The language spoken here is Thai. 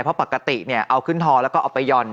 เพราะปกติเอาขึ้นฮอแล้วก็เอาไปย่อน